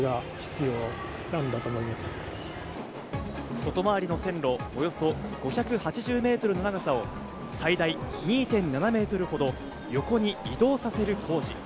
外回りの線路、およそ５８０メートルの長さを最大２．７メートルほど横に移動させる工事。